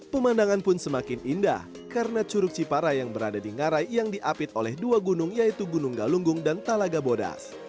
pemandangan pun semakin indah karena curug ciparai yang berada di ngarai yang diapit oleh dua gunung yaitu gunung galunggung dan talaga bodas